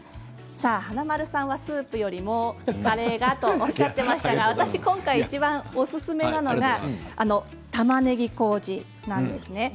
華丸さんはスープよりもカレーがとおっしゃっていましたが私が今回いちばんおすすめなのがたまねぎこうじです。